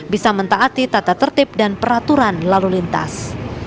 bisa mentaati tata tertib dan peraturan lalu lintas